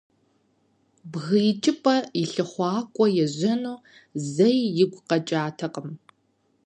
Бгы икӀыпӀэ и лъыхъуакӀуэ ежьэну зэи игу къэкӀатэкъым.